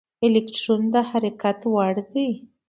الکترون د حرکت وړ دی.